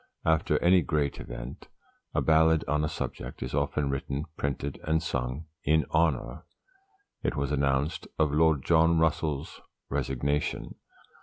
After any great event "a ballad on a subject" is often written, printed, and sung "in honour," it was announced "of Lord John Russell's resignation."